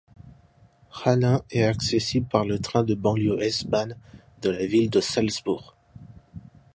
Hallein est accessible par le train de banlieue S-Bahn de la ville de Salzbourg.